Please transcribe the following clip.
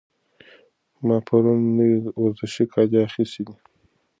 ما پرون د نوي ورزشي کالي اخیستي دي.